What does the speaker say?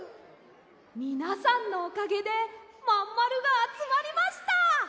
みなさんのおかげでまんまるがあつまりました！